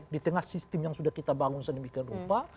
di tengah sistem yang sudah kita bangun sedemikian rupa